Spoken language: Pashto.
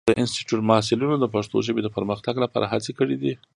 د انسټیټوت محصلینو د پښتو ژبې د پرمختګ لپاره هڅې کړې دي.